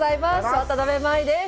渡辺舞です。